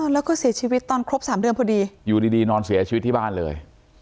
แล้วก็เสียชีวิตตอนครบ๓เดือนพอดีอยู่ดีนอนเสียชีวิตที่บ้านเลย